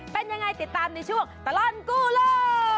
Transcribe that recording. เป็นยังไงติดตามในช่วงตลอดกู้โลก